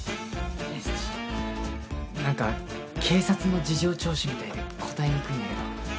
えなんか警察の事情聴取みたいで答えにくいんだけど。